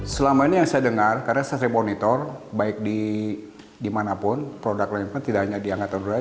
selama ini yang saya dengar karena saya reponitor baik di dimanapun produk lain pun tidak hanya diangkatan luar negeri